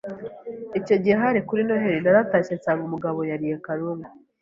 icyo gihe hari kuri noheri naratashye nsanga umugabo yariye karungu